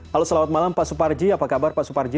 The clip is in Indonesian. halo selamat malam pak suparji apa kabar pak suparji